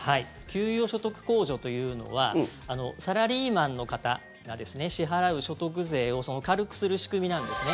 給与所得控除というのはサラリーマンの方が支払う所得税を軽くする仕組みなんですね。